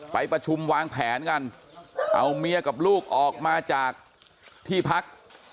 ไปประชุมวางแผนกันเอาเมียกับลูกออกมาจากที่พัก